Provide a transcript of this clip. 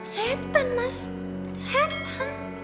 setan mas setan